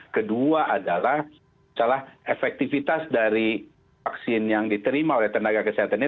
kedua adalah salah efektivitas dari vaksin yang diterima oleh tenaga kesehatan ini